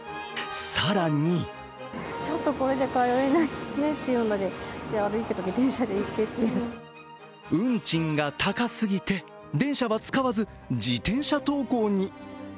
更に運賃が高すぎて、電車は使わず自転車登校に。